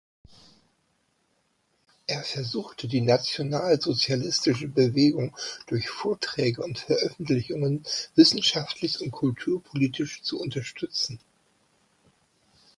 Er versuchte, die nationalsozialistische Bewegung durch Vorträge und Veröffentlichungen wissenschaftlich und kulturpolitisch zu unterstützen.